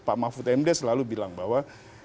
pak mahfud md selalu bilang bahwa